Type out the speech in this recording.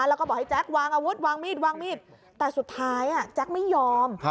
แล้วก็บอกให้แจ๊ควางอาวุธวางมีดวางมีดแต่สุดท้ายแจ๊คไม่ยอม